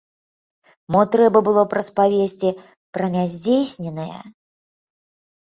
Мо трэба было б распавесці пра няздзейсненае.